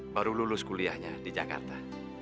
baru lulus kuliahnya di jakarta